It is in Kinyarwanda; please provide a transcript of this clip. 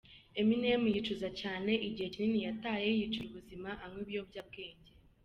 Eminem yicuza cyane igihe kinini yataye yiyicira ubuzima anywa ibiyobyabwenge.